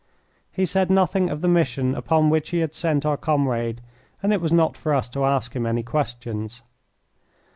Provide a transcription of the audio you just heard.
He said nothing of the mission upon which he had sent our comrade, and it was not for us to ask him any questions.